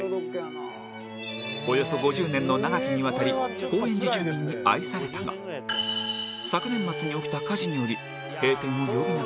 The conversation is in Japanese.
およそ５０年の長きにわたり高円寺住民に愛されたが昨年末に起きた火事により閉店を余儀なくされた